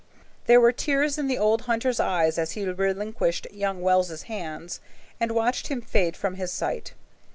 There were tears in the old hunter's eyes as he relinquished young Wells's hands and watched him fade from his sight.